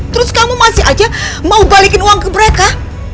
terus kamu masih aja mau balikin uang ke mereka